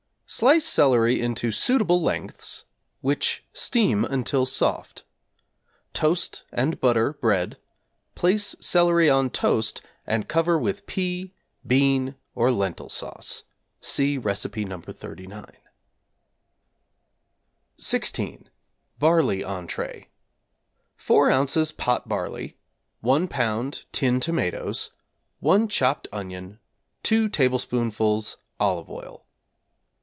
Slice celery into suitable lengths, which steam until soft. Toast and butter bread, place celery on toast and cover with pea, bean, or lentil sauce, (see Recipe No. 39). =16. Barley Entrée= 4 ozs. pot barley, 1 lb. tin tomatoes, 1 chopped onion, 2 tablespoonfuls olive oil.